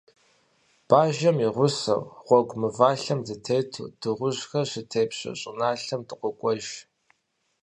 Бажэм и гъусэу, гъуэгу мывалъэм дытету, дыгъужьхэр щытепщэ щӀыналъэм дыкъокӀуэж.